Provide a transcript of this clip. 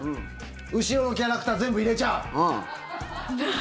後ろのキャラクター全部入れちゃう。